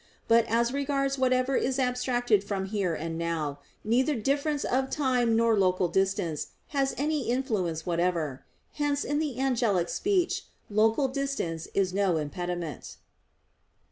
But as regards whatever is abstracted from "here and now," neither difference of time nor local distance has any influence whatever. Hence in the angelic speech local distance is no impediment.